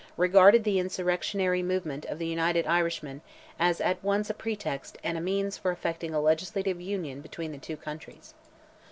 regarded the insurrectionary movement of the United Irishmen as at once a pretext and a means for effecting a legislative union between the two countries.